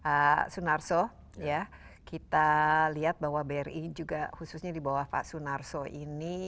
pak sunarso ya kita lihat bahwa bri juga khususnya di bawah pak sunarso ini